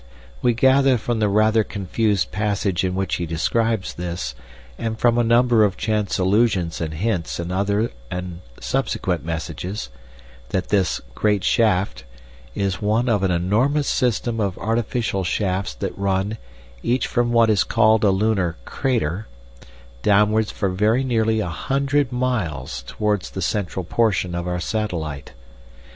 We gather from the rather confused passage in which he describes this, and from a number of chance allusions and hints in other and subsequent messages, that this "great shaft" is one of an enormous system of artificial shafts that run, each from what is called a lunar "crater," downwards for very nearly a hundred miles towards the central portion of our satellite.